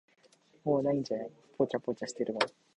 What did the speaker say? もう無いんじゃない、ぽちゃぽちゃしてるもん。